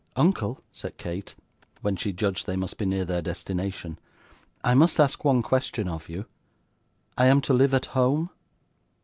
'Uncle,' said Kate, when she judged they must be near their destination, 'I must ask one question of you. I am to live at home?